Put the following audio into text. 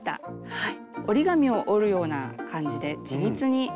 はい。